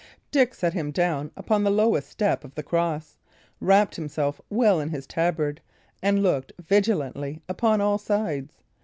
Dick set him down upon the lowest step of the cross, wrapped himself well in his tabard, and looked vigilantly upon all sides.